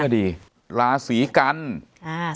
โอ้อันนี้ก็ดีราศรีกัณฐ์